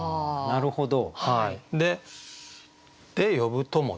なるほど。